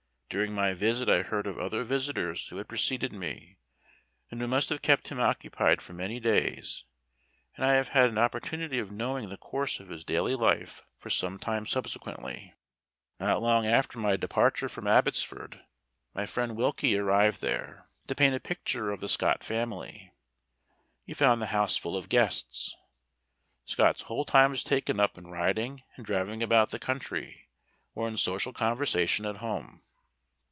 During my visit I heard of other visitors who had preceded me, and who must have kept him occupied for many days, and I have had an opportunity of knowing the course of his daily life for some time subsequently. Not long after my departure from Abbotsford, my friend Wilkie arrived there, to paint a picture of the Scott family. He found the house full of guests. Scott's whole time was taken up in riding and driving about the country, or in social conversation at home.